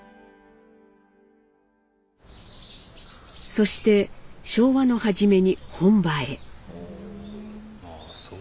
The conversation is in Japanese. そして昭和の初めに本場へ。